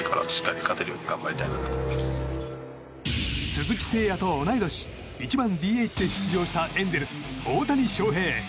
鈴木誠也と同い年１番ＤＨで出場したエンゼルス、大谷翔平。